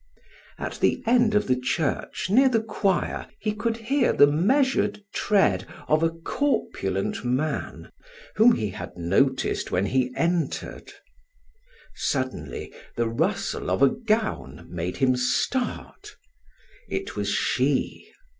At the end of the church near the choir; he could hear the measured tread of a corpulent man whom he had noticed when he entered. Suddenly the rustle of a gown made him start. It was she.